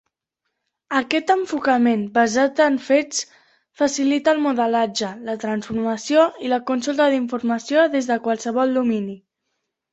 Aquest enfocament basat en fets facilita el modelatge, la transformació i la consulta d'informació des de qualsevol domini.